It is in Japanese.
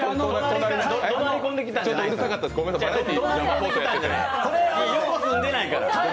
隣、住んでないから。